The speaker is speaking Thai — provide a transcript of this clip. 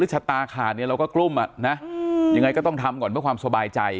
ชะตาขาดเนี่ยเราก็กลุ้มยังไงก็ต้องทำก่อนเพื่อความสบายใจ